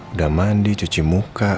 udah mandi cuci muka